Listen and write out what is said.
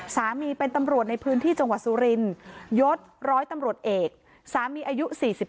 สามีเป็นตำรวจในพื้นที่จังหวัดสุรินยศร้อยตำรวจเอกสามีอายุ๔๓